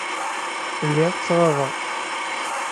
Lliɣ ttɣabeɣ.